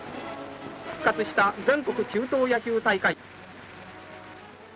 復活した全国中等野球大会。